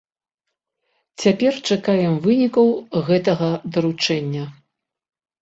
Цяпер чакаем вынікаў гэтага даручэння.